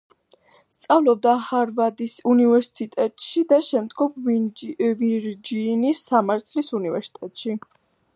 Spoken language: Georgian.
სწავლობდა ჰარვარდის უნივერსიტეტში და შემდგომ ვირჯინიის სამართლის უნივერსიტეტში.